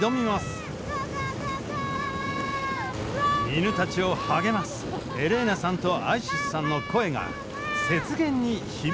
犬たちを励ますエレーナさんとアイシスさんの声が雪原に響き渡ります。